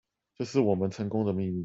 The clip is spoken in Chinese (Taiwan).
這是我們成功的秘密